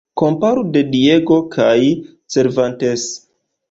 Komparu "De Diego" kaj "Cervantes".